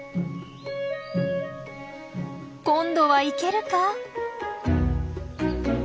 今度は行けるか？